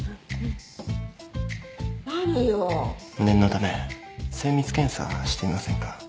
念のため精密検査してみませんか？